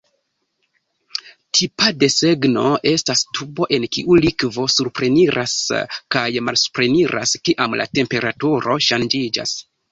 Tipa desegno estas tubo en kiu likvo supreniras kaj malsupreniras kiam la temperaturo ŝanĝiĝas.